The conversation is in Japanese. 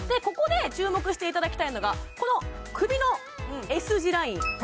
ここで注目していただきたいのがこの首のＳ字ライン